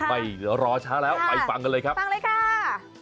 ไม่รอช้าแล้วไปฟังกันเลยครับฟังเลยค่ะ